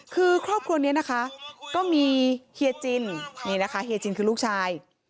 คือครอบครัวนี้นะคะก็มีเฮียจินนี่นะคะเฮียจินคือลูกชาย